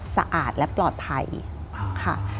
สะอาดและปลอดภัยค่ะ